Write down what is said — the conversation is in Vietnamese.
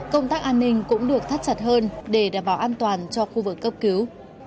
công tác an ninh cũng được thắt chặt hơn để đảm bảo an toàn cho khu vực cấp cứu